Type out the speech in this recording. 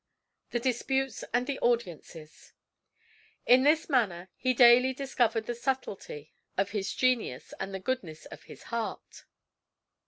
THE DISPUTES AND THE AUDIENCES In this manner he daily discovered the subtilty of his genius and the goodness of his heart.